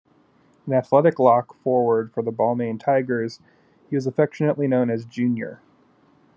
An athletic lock forward for the Balmain Tigers, he was affectionately known as 'Junior'.